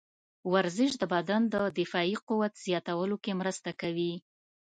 ورزش د بدن د دفاعي قوت زیاتولو کې مرسته کوي.